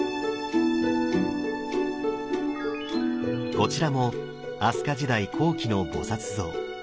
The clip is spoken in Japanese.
こちらも飛鳥時代後期の菩像。